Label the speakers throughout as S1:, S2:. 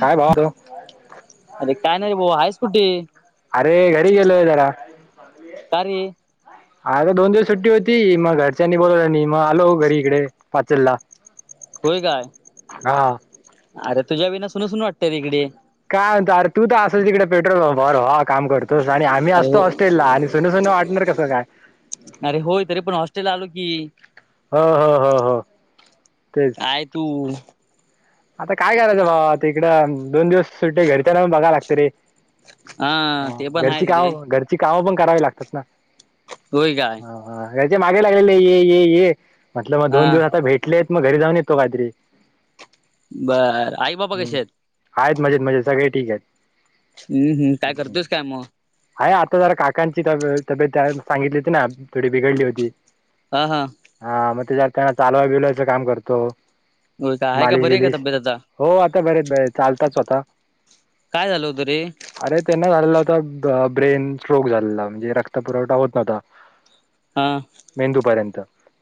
S1: काय भावा
S2: अरे काय नाही बुवा आहेस कुठे?
S1: अरे घरी गेलोय जरा.
S2: सारी
S1: आता दोन दिवस सुट्टी होती मग घरच्यांनी बोलला आणि मग आलो घरी इकडे पाचल ला.
S2: होय काय अरे तुझ्या विना सुन सून वाटत रे इकडे.
S1: कायर आर तू तर आसंल तिकडं पेट्रोल पंपावर, भावा काम कर त आणि आम्ही
S2: अरे हो
S1: असतो होस्टेलला आणि सोन सोन वाटणार कसं काय.
S2: अरे होय तरी पण हॉस्टेल आलो की.
S1: ह ह ह.
S2: काय तू.
S1: आता काय करायचं भावा आता इकडं दोन दिवस सुट्टी घरीच्याना बघाय लागतं रे. हा
S2: ते पण
S1: घरची
S2: आहेच रे
S1: कामं घरची कामं पण करावी लागतात ना.
S2: होय काय.
S1: यायचे मागे लागलेले ये ये ये म्हटलं मग
S2: हा
S1: दोन दिवस आता भेटले आहेत मग घरी जाऊन येतो काहीतरी.
S2: बरं आई बाबा कसे
S1: हम्म.
S2: आहेत?
S1: आहेत मजेत मजेत सगळे ठीक आहेत.
S2: हम्म हम् काय करतोस काय मग.
S1: हय आता जरा काकांची तब्ये- तब्येत सांगितली होती ना थोडी बिघडली होती.
S2: हा हा.
S1: हा मग तेच्या त्यांना चालवाय बिलवायचं काम करतो.
S2: हो का आहे का
S1: मालिश
S2: बरी आहे
S1: बिलिश
S2: का तब्येत आता‌.
S1: हो आता घरी आहेत चालत स्वतः.
S2: काय झालं होत रे.
S1: अरे त्यांना झालेला होता ब्रेन स्ट्रोक झालेला म्हणजे रक्त पुरवठा होत नव्हता‌.
S2: हां.
S1: मेंदूपर्यंत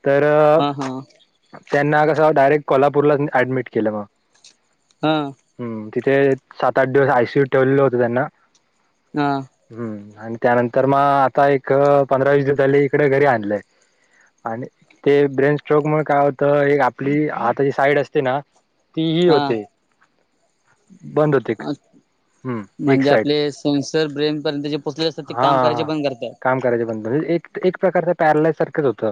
S1: तर त्यांना कसं डायरेक्ट कोल्हापूरच ऍडमिट केलं मग.
S2: हं.
S1: हम्म तिथे सात आठ दिवस आयसीयू ठेवलेलं होतं त्यांना.
S2: हां.
S1: हम्म आणि त्यानंतर मग आता एक पंधरा वीस दिवस झाली इकडे घरी आणलंय. आणि ते ब्रेन स्ट्रोक मुळं काय होतं, एक आपली हाताची साईड असते ना तीही
S2: हा
S1: होते बंद होते हम्म एक साईड.
S2: सेनसर ब्रेन पर्यंतचे
S1: हा हा काम करायच्या पणंतल म्हणजे एक एक प्रकारचं पॅरलाइज सारखंच होतं.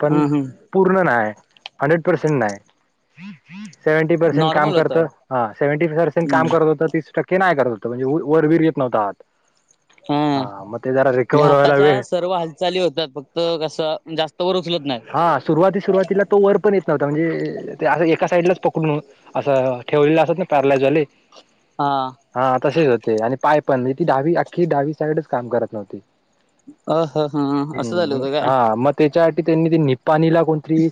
S1: पण
S2: ह ह
S1: पूर्ण नाहीय हंड्रेड पर्सेंट नाही. सेव्हंटी पर्सेंट काम
S2: नॉर्मल
S1: करत
S2: होत
S1: हा सेव्हंटी पर्सेंट काम करत होत तीस टक्के ते नाही करत होतं म्हणजे वरवीर येत नव्हत हात.
S2: हा म्हणजे
S1: रिकव्हर व्हायला
S2: हाताच्या
S1: वेळ
S2: सर्व हल चाली होतात फक्त कसं जास्त वर उचलत नाही.
S1: हा सुरुवाती सुरुवातीला तो वर पण येत नव्हता म्हणजे ते एका साईडलाच पकडून असं ठेवलेलं असत ना पॅरालायज वाले.
S2: हा.
S1: हा तसेच होते आणि पाय पण नाही ती डहावी अख्खी डहावी साईडच काम करत नव्हती.
S2: अ अ ह हं असं झालं
S1: हम्म
S2: होतं काय?
S1: हा मग त्याच्यासाठी त्यांनी ते निपाणीला कोणती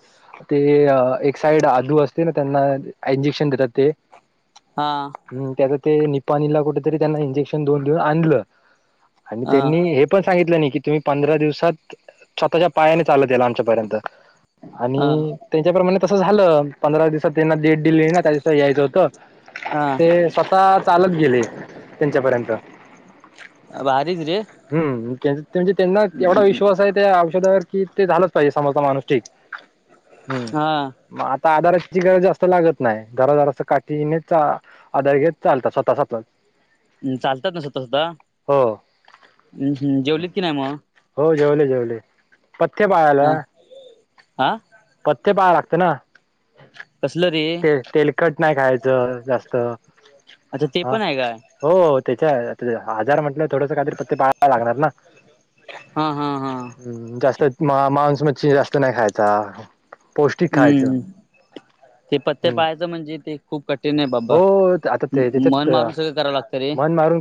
S1: ते एक साइड आदू असते ना त्यांना इंजेक्शन देतात ते.
S2: हा.
S1: ह त्याच ते निपाणीला कुठेतरी त्यांना इंजेक्शन दोन देऊन आणलं आणि
S2: अ
S1: त्यांनी हे पण सांगितलं नाही की तुम्ही पंधरा दिवसात स्वतःच्या पायाने चालत याल आमच्यापर्यंत.
S2: ह
S1: आणि त्यांच्याप्रमाणे तसं झालं, पंधरा दिवसात त्यांना डेट दिली ना त्या दिवसाला यायचं होतं.
S2: हां.
S1: ते स्वतः चालत गेले त्यांच्यापर्यंत.
S2: अं भारीच रे.
S1: हम म्हणजे त्यांना एवढा विश्वास आहे त्या औषधावर कि ते झालं. समोरचा माणूस ठीक हम्म.
S2: हा
S1: मग आता आधाराची गरज जास्त लागत नाही जरा जरा अस काठीने चा आता घेत चालतात स्वतः संपला की
S2: हम् चालतात ना स्वतः स्वतः
S1: हो
S2: ह् हम् जेवलीत की नाही मग.
S1: हो जेवले जेवले पथ्य पाळाला.
S2: आ.
S1: पथ्य पाळाय लागत ना.
S2: कसलं रे
S1: ते तेलकट नाही खायचं जास्त.
S2: अच्छा ते
S1: हा
S2: पण आहे काय
S1: हो त्याच्या आजार म्हंटलं थोडस काहीतरी पथे पाळावा लागणार ना.
S2: हा हा हा
S1: हम् जास्त मांस मछी जास्त नाही खायचा. पौष्टिक खायचं
S2: हम्म ते पथ्य
S1: हम्म.
S2: पाळ च म्हणजे ते खूप कठीण आहे बाबा
S1: हो आता ते
S2: मन मारून सगळं कराव लागतं रे.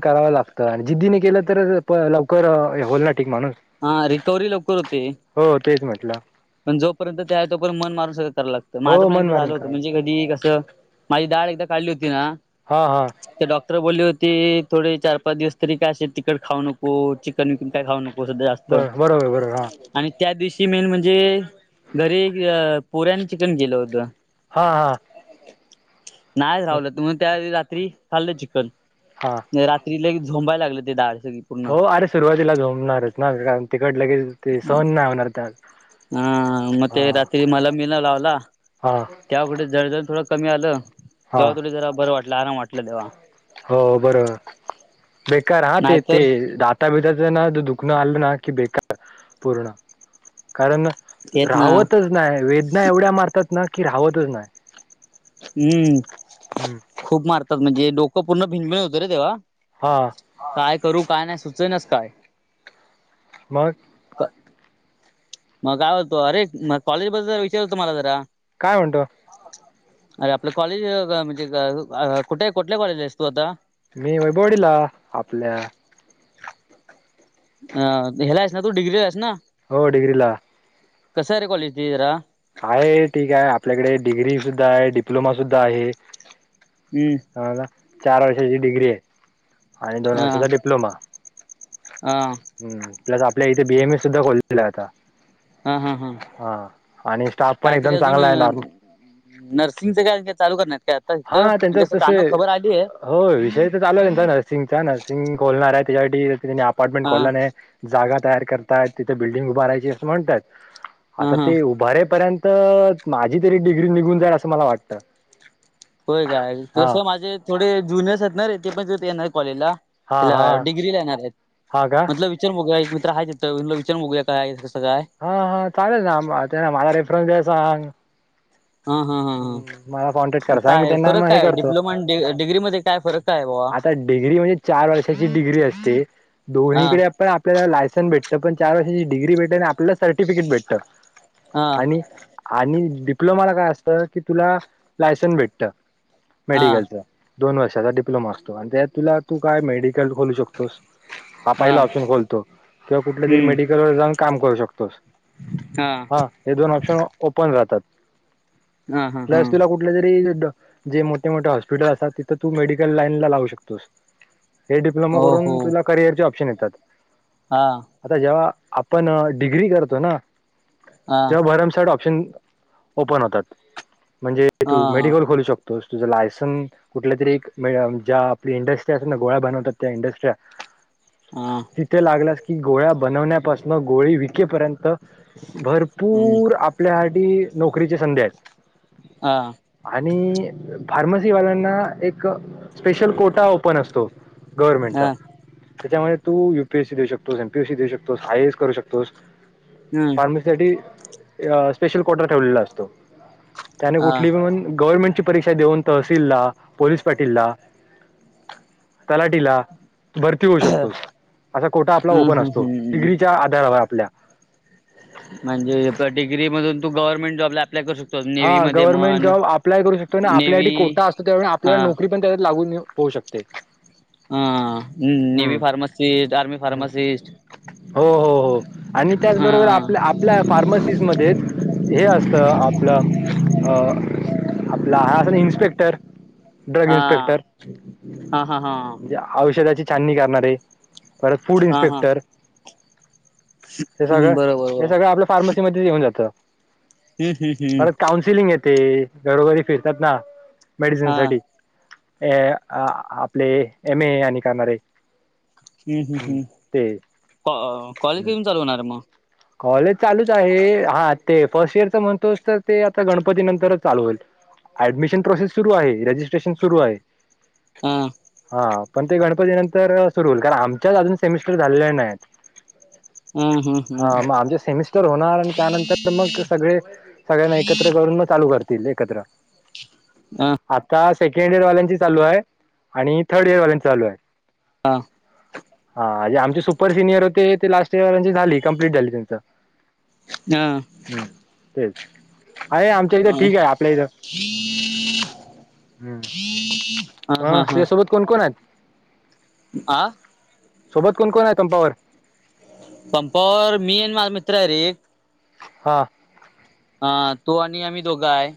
S1: कराव लागतं आणि जिद्दीने केलं तर लवकर होयल ना ठीक माणूस.
S2: हा रिकवरी लवकर होते.
S1: हो तेच म्हटलं.
S2: पण जोपर्यंत ते आहे तोपर्यत मन मारून सगळं कराला लागतं माझं
S1: हो
S2: पण
S1: मन
S2: एकदा
S1: मारून
S2: झालं होतं
S1: करावं
S2: म्हणजे
S1: लागतं
S2: कधी कसं? मझी दाढ एकदा काढलि होती ना.
S1: हा हां.
S2: तर डॉक्टर बोलले होते थोडे चार, पाच दिवस तरी काय. असे तिकट खाऊ नको चिकन विकन काय खाऊ नको?
S1: बर बरोबर बरोबर हा
S2: आणि त्या दिवशी मेन म्हणजे हम्म. घरी पुऱ्या आणि चिकन केलं होतं.
S1: हा. हा.
S2: नाहीच रावलं म्हणून त्या रात्री खाल्लं चिकन.
S1: हां.
S2: रात्री लय झोंबाय लागलं ते दाढ सगळी. पूर्ण
S1: हो अरे सुरुवातीला झोमणारच ना, कारण तिखट लगेच ते सहन नाही होणार त्यात.
S2: हा म ते रात्री मलम मिलम लावला.
S1: हा
S2: त्या कुठे जळजळ थोडं कमी आलं
S1: हा
S2: तेव्हा थोड जरा बरं वाटलं आराम वाटलं तवा.
S1: हो बरो बेकार हा ते ते
S2: नाहीतर
S1: दात तब्येतीच ना दुखणं आलं ना की बेकार पूर्ण कारण
S2: तेच ना
S1: राहवतच नाही वेदना एवढ्या मारतात ना की राहवतच नाही.
S2: हम्म
S1: हम्म.
S2: खूप मारतात म्हणजे डोकं पूर्ण भिंनबिण होत रे तेव्हा.
S1: हा.
S2: काय करू का? नाही सुचनाच काय?
S1: मग.
S2: मग काय होतो अरे मग कॉलेज बद्दल विचार होतो मला जरा.
S1: काय म्हणतो?
S2: अरे आपलं कॉलेज म्हणजे कुठे कुठल्या कॉलेजला आहेस तू आता?
S1: मी वैभवाडीला आपल्या
S2: ह्याला आहेस ना तू डिग्रीला आहेस ना?
S1: हो डिग्री ला.
S2: कस आहे रे कॉलेज ते जरा.
S1: आहे ठीक आहे आपल्याकडे डिग्री सुद्धा आहे डिप्लोमा सुद्धा आहे.
S2: हम्म.
S1: ह चार वर्षाची डिग्री आहे. आणि दोन
S2: हा
S1: वर्षाचा डिप्लोमा.
S2: हा
S1: हम् प्लस आपल्या इथे बी एम एस सुद्धा खोललेला आता.
S2: हा हा हां.
S1: हा आणि स्टाफ पण
S2: काहीतरी
S1: एकदम
S2: अजून
S1: चांगला आहे नॉर्मल
S2: नर्सिंगच काय काय चालू करण्यात काय? इथ म्हणजें कानावर खबर आली आहे.
S1: होय विषय तर चालूय नर्सिंगचा नर्सिंग खोलणार आहे त्याच्यासाठी त्यांनी अपार्टमेंट
S2: हा
S1: खोला आहे. जागा तयार करतय तिथे बिल्डिंग उभारायची असं म्हणतात
S2: हा
S1: आता
S2: हा
S1: ते उभारेपर्यंत तर माझी तरी डिग्री निघून जाईल असं मला वाटतं.
S2: होय काय,
S1: हा
S2: तसं माझे थोडे जुनियर्स आहेत ना रे तेपण तिथं येणार आहेत कॉलेजला.
S1: हा
S2: हेला
S1: हा
S2: डिग्री येणार आहेत.
S1: हा का
S2: एकदा विचार बघूया, एक मित्र हाय तिथं. विचार बघूया काय हाय कसं काय?
S1: हां हां चालेल ना, त्याला मला रेफरन्स द्याय सांग.
S2: हां हां हां हां,
S1: मला कॉन्टॅक्ट करा सांग मी
S2: काय
S1: त्यांना
S2: फरक
S1: मग हे
S2: काय,
S1: करतो
S2: डिप्लोमा आन डिग्रीमध्ये काय फरक? काय बाबा
S1: आता डिग्री म्हणजे चार वर्षाची डिग्री असते,
S2: हा
S1: दोन्हीकडे आपण आ आपल्याला लायसन भेटतं, पण चार वर्षाची डिग्री भेटते आणि आपल्याला सर्टिफिकेट भेटतं
S2: हा
S1: आणि आणि डिप्लोमाला काय असतं? की तुला लायसन्स भेटतं
S2: हा
S1: मेडिकलचं. दोन वर्षाचा डिप्लोमा असतो आणि त्यात तुला तू काय मेडिकल खोलू शकतोस. हा पहिला ऑप्शन खोलतो किंवा कुठल्या तरी मेडिकल वर जाऊन काम करू शकतोस.
S2: हां.
S1: हा हे दोन ऑप्शन ओपन राहतात.
S2: हा हा हा
S1: त्यावेळेस तुला कुठ कुठल्या तरी जे मोठे मोठे हॉस्पिटल असतात, तिथं तू मेडिकल लाईनला लागू शकतोस. हे डिप्लोमा
S2: ओ
S1: करून तुला करिअरचे ऑप्शन येतात.
S2: हां.
S1: आता जेव्हा आपण डिग्री करतो ना,
S2: हा
S1: तेव्हा भरमसाठ ऑप्शन ओपन होतात, म्हणजे
S2: हा
S1: तू मेडिकल खोलू शक तोच तुझं लायसन कुठल्या तरी एक म अम ज्या इंडस्ट्री असे ना गोळ्या बनवतात त्या इंडस्ट्रया
S2: आं.
S1: तिथे लागलास की गोळ्या बनवण्यापासनं गोळी विकेपर्यंत
S2: हम्म
S1: भरपूर आप आपल्यासाठी नोकरीची संधी आहेत.
S2: हां.
S1: आणि फार्मसीवाल्यांना एक स्पेशल कोटा ओपन असतो. गव्हर्नमेंटचा,
S2: हा
S1: त्याच्यामुळे तू युपीएससी देऊ शकतोस, एमपीएसी देऊ शकतोस, आयए एस करू शकतोस.
S2: हं.
S1: [unintelligible] साठी स्पेशल कोटा ठेवलेला असतो, त्याने
S2: हा
S1: कुठली पण गव्हर्नमेंट ची परीक्षा देऊन तहसीलला, पोलीस पाटीलला, तलाठीला भरती होऊ शकतोस.
S2: हम्म
S1: असा कोटा आपला ओपन
S2: हम्म
S1: असतो,
S2: हम्म
S1: डिग्रीच्या आधारावर आपल्या.
S2: म्हणजे डिग्रीमधून तू गव्हर्नमेंट जॉबला अप्लाय करू शकतो अजून
S1: हा गव्हर्नमेंट जॉब अप्लाय करू शकतो आणि आपल्यासाठी
S2: नेव्ही
S1: कोटा असतो, त्यावेळी
S2: हा
S1: आपल्याला नोकरी पण त्याच्यात लागून होऊ शकते.
S2: हा. नेवी
S1: हम्म
S2: फार्मासिस्ट, आर्मी फार्मासिस्ट
S1: हो हो हो आणि त्याचबरोबर आपल्या
S2: हा
S1: फार्मसिस मध्येच हे असतं अब आपलं अ आपला हा असंलना इन्स्पेक्टर ड्रग
S2: हां
S1: इन्स्पेक्टर
S2: हां हां हां.
S1: म्हणजे औषधाची छाननी करणारे, परत फूड
S2: हा हा
S1: इन्स्पेक्टर. हे सगळं
S2: हम्म बरोबर
S1: हे
S2: बरोबर
S1: सगळं आपल्या फार्मसी मध्येच येऊन जातं.
S2: [unintelligible]
S1: परत काउन्सिलिंग येते, घरोघरी फिरतात ना मेडिसिन
S2: हा
S1: साठी. हे अ आपले एम ए आणि करणारे हायत.
S2: हम्म हम् हम् प कॉलेज कधी पासून चालू होणार हाय मग?
S1: कॉलेज चालूच आहे, हा ते फर्स्ट इयरच म्हणतोस तर ते आता गणपती नंतरच चालू होईल. ऍडमिशन प्रोसेस सुरू आहे, रजिस्ट्रेशन सुरू आहे.
S2: हं.
S1: हा पण ते गणपती नंतर सुरू होईल कारण आमच्याच अजून सेमिस्टर झालेल्या नाहीत.
S2: हम्म हम्म.
S1: हां मग आमचे सेमिस्टर होणार आणि त्यानंतर तर मग सगळे सगळ्यांना एकत्र करून मग चालू कर दिले एकत्र.
S2: ह.
S1: आता सेकंड इयर वाल्यांची चालू आहे आणि थर्ड इयरवाल्यांच चालू आहे.
S2: हां
S1: हाे आमचे सुपर सिनियर होते ते लास्ट इयर त्यांची झाली कंप्लीट झाली त्यांची. हम्म तेच. अरे आमच्या इथं
S2: हा
S1: ठीक आहे आपल्या इथं. हम्म
S2: हा
S1: मग
S2: हा हा
S1: तुझ्यासोबत कोण कोण आहेत?
S2: आ.
S1: सोबत कोण कोण आहेत पंपावर?
S2: पंपावर मी आणि माझा मित्र आहे रे.
S1: हा.
S2: हा तो आणि आम्ही दोघं आहे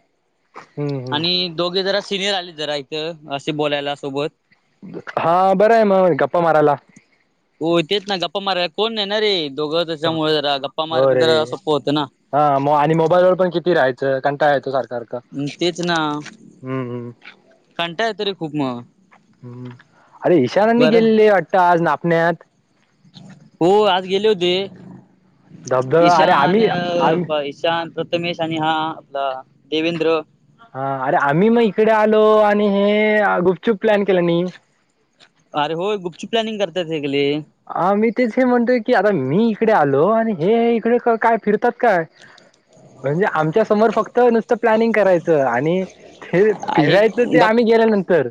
S1: हम्म हम्म
S2: आणि दोघे जरा सिनियर आली जरा इथं असे बोलायला सोबत.
S1: हा बरं आहे मग गप्पा मारायला.
S2: हो तेच ना गप्पा माराय कोण नाही ना रे, दोघं
S1: हो
S2: त्याच्यामुळे जरा गप्पा मारणं
S1: हो
S2: पण जरा
S1: रे
S2: सोप्प होतं ना.
S1: हा आणि मोबाईल वर पण किती राहायचं कंटाळा येतो सारखा सारखा.
S2: हमं तेच ना. [inaudible] येतो रे खूप मग
S1: ह अरे, ईशाननी
S2: बरं
S1: गेले की कुठं आज नापण्यात.
S2: हो आज गेले होते.
S1: धबधबा अरे
S2: ईशान,
S1: आम्ही आम्ही
S2: ईशान [unintelligible] प्रथमेश आणि हा आपला देवेंद्र.
S1: हा अरे आम्ही मग इकडे आलो आणि हे गुपचुप प्लॅन केल्यानी.
S2: अरे होय गुपचूप प्लॅनिंग करतात सगळे.
S1: ह मी तेच हे म्हणतोय की आता मी इकडे आलो आणि हे इकडे काय फिरतात का? म्हणजे, आमच्या समोर फक्त नुसतं प्लॅनिंग करायचं आणि ते
S2: आहे
S1: फिरायचं ते
S2: गप
S1: आम्ही गेल्यानंतर.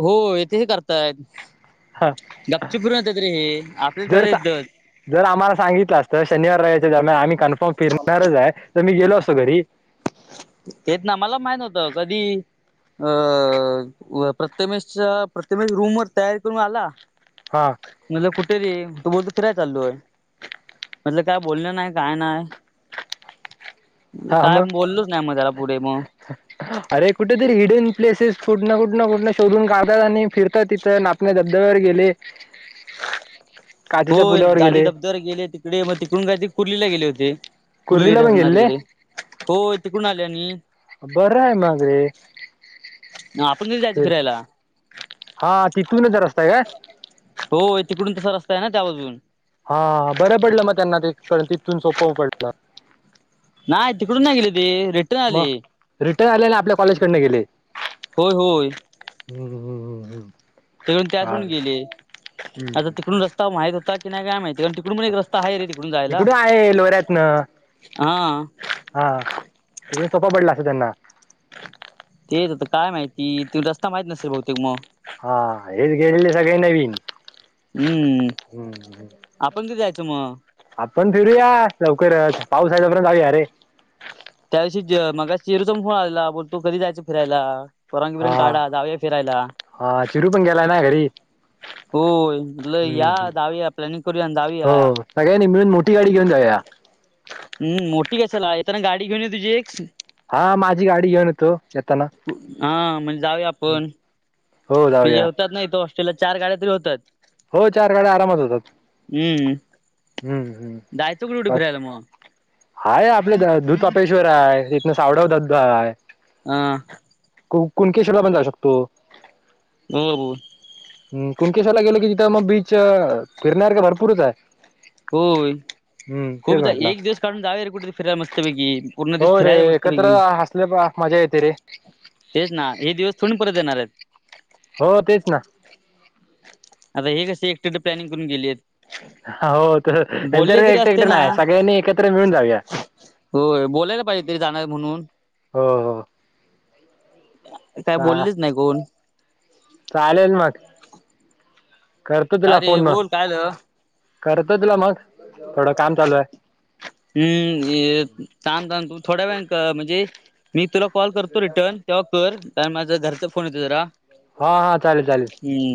S2: हो हेतशे करताय
S1: हा
S2: गपचूप फिरून ते हे.
S1: जर
S2: ठेवता येतच.
S1: जर आम्हाला सांगितलं असत शनिवार रविवारच्या दरम्यान आम्ही कन्फर्म फिरणारच आहे. तर मी गेलो असतो घरी.
S2: येत ना मला माहीत होतं, कधी अ प्रथमेश प्रथमेश रूम वर तयारी करून आला.
S1: हा.
S2: म्हणलं कुठे रे तो बोलतो फिरायला चाललोय. म्हटलं काय बोलण नाही काय नाही.
S1: हा
S2: काय
S1: मग
S2: बोललोच नाही मग त्याला पुढे मग?
S1: अरे कुठेतरी हिडन प्लेसेस कुठन कुठंन कुठंन शोधून काढतात आणि फिरतात तिथं नाग त्या धबधब्यावर गेले. काचेच्या
S2: होय
S1: पुलावर
S2: आधी
S1: गेले
S2: धबधब्यावर गेले तिकडे मग तिकडून काय त कुर्लीला गेले होते. कुर्ली
S1: कुर्लीला पण
S2: धरण आहे
S1: गेले
S2: तिकडे तो तिकडून आल्या नी.
S1: बरं आहे. मग रे.
S2: आपण कधी जायचं
S1: फिरतय
S2: फिरायला
S1: हा तिथूनच रस्ता हाय काय?
S2: हो तिकडून तसा रस्ता आहे ना त्या बाजून.
S1: हा बरं पडलं मग त्यांना ते पण तिथून सोप्प पडलं.
S2: नाही तिकडून नाही गेले ती रिटर्न आले.
S1: रिटन झालेला आपल्या कॉलेज कडन गेले.
S2: होय होय.
S1: हम्म हम्म. हमं
S2: तिकडून त्याच रोडने गेले, आता तिकडून रस्ता माहित होता की नाही काय माहिती कारण तिकडं तिकडून पण एक
S1: आता
S2: रस्ता आहे रे तिकडून जायला
S1: आहे लोऱ्यातन
S2: हा.
S1: हा तिकड सोपा पडला अस त्यांना.
S2: तेचता काय माहिती तू रस्ता माहीत नसेल बहुतेक मग.
S1: हा हेच गेलेले सगळे नवीन.
S2: हम्म आपण बी जायचं मग.
S1: आपण फिरूया लवकर पाऊसा आल्यापर्यंत जाऊया अरे.
S2: त्यादिवशी मगाशी चेरूचा पण फोन आला बोलतो कधी जायचं फिरायला? परंग
S1: हा
S2: बिरंग काढा जाऊया फिरायला.
S1: हा चिरू पण गेलाय ना घरी.
S2: होय बोललो या
S1: हम्म
S2: जाऊया प्लॅनिंग करूया आणि जाऊया.
S1: हो सगळ्यांनी मिळून मोठी गाडी घेऊन जाऊया.
S2: हम् मोठी कशाला येताना गाडी घेऊन ये तुझी एक.
S1: हा माझी गाडी घेऊन येतो. येताना
S2: हा म्हणजे जाऊ आपण
S1: हो
S2: म्हणजे.
S1: जाऊया
S2: असतात नाहीतर हॉस्टेलला चार गाड्या तरी होतात.
S1: हो चार गाड्या आरामात होतात.
S2: हम्म.
S1: हम्म. हम्म.
S2: जायचं कुठे कुठे फिरायला मग
S1: [unintelligible] हाय आपले दूधपेश्वर आहे इथनं सावडव दध आहे.
S2: हा.
S1: कोण कुणकेशला पण जाऊ शकतो.
S2: [unintelligible] बोल
S1: हम् कुणकेश्वर ला गेलो की तिथं मग बीच फिरण्यासारखं भरपूर आहे.
S2: होय
S1: हम्म तेच
S2: खूप जा
S1: म्हटलं
S2: एक दिवस काढून जावू रे कुठेेतरी फिरायला मस्त पैकी.
S1: हो रे एकत्र असले मजा येते रे.
S2: तेच ना हे दिवस थोडी परत येणार आहेत.
S1: हो तेच ना. [inaudible] [unintelligible]
S2: आता हे कस एकटे प्लॅनिंग करून गेले आहेत.
S1: हो त्यांच्यावर
S2: तरी
S1: एकट
S2: असते
S1: एकट
S2: ना
S1: नाही सगळ्यांनी एकत्र मिळून जाऊया.
S2: होय बोलायला पाहिजे तरी जाणार म्हणून.
S1: हो हो
S2: काय
S1: चा
S2: बोललेच नाही कोण.
S1: चालेल मग [unintelligible] करतो तुला
S2: का रे
S1: फोन मग
S2: बोल काय झालं
S1: करतो, तुला मग थोडं काम चालू आहे.
S2: हम्म थांब तान तू थोड्या वेळ म्हणजे मी तुला कॉल करतो रिटर्न तेव्हा कर आणि माझा घरचा फोन येतो जरा.
S1: हा हा चालेल चालेल.
S2: हम्म.